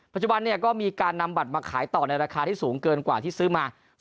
ปัจจุบันก็มีการนำบัตรมาขายต่อในราคาที่สูงเกินกว่าที่ซื้อมา